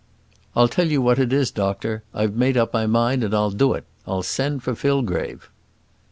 "I'll tell you what it is, doctor; I've made up my mind, and I'll do it. I'll send for Fillgrave."